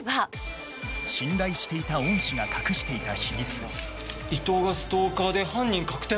信頼していた恩師が隠していた秘密伊藤がストーカーで犯人確定？